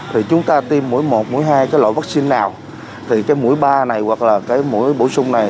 thì chúng ta tiêm mỗi một mỗi hai cái loại vaccine nào thì cái mũi ba này hoặc là cái mũi bổ sung này